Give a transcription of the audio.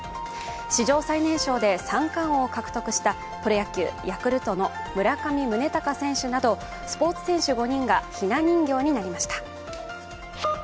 史上最年少で三冠王を獲得したプロ野球・ヤクルトの村上宗隆選手などスポーツ選手５人がひな人形になりました。